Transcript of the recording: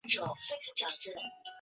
蔡汉卿参加了战斗。